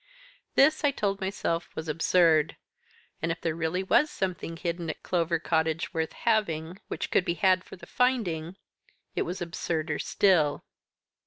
This, I told myself, was absurd, and if there really was something hidden at Clover Cottage worth having, which could be had for the finding, it was absurder still.